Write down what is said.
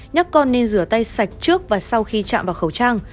nhắc con nên rửa tay sạch trước và sau khi chạm vào khẩu trang